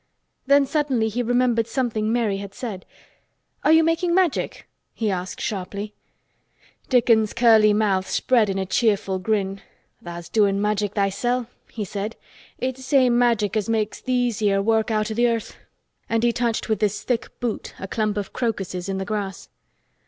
Then suddenly he remembered something Mary had said. "Are you making Magic?" he asked sharply. Dickon's curly mouth spread in a cheerful grin. "Tha's doin' Magic thysel'," he said. "It's same Magic as made these 'ere work out o' th' earth," and he touched with his thick boot a clump of crocuses in the grass.